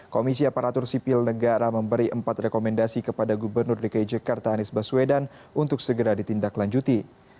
komisi aparatur sipil negara memberi empat rekomendasi kepada gubernur dki jakarta anies baswedan untuk segera ditindaklanjuti